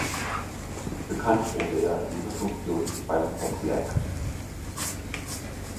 Bekannt wurde er in dieser Funktion beim Pot Black.